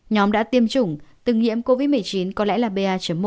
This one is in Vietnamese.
nhóm đã tiêm chủng từng nhiễm covid một mươi chín có lẽ là ba một